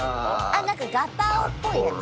「なんかガパオっぽいやつ？」